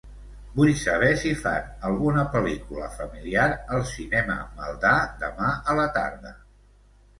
Vull saber si fan alguna pel·lícula familiar al Cinema Maldà demà a la tarda.